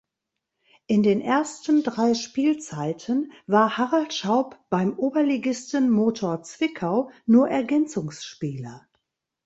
In den ersten drei Spielzeiten war Harald Schaub beim Oberligisten Motor Zwickau nur Ergänzungsspieler.